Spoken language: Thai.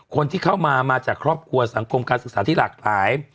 คนที่เข้ามามาจากครอบครัวสังคมการศึกษาที่หลากหลาย